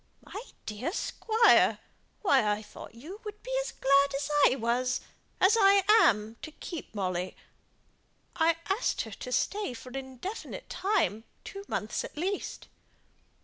"My dear Squire! why, I thought you'd be as glad as I was as I am to keep Molly. I asked her to stay for an indefinite time; two months at least."